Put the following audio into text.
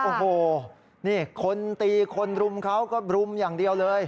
โอ้โหนี่คนตีคนรุมเขาก็รุมอย่างเดียวเลย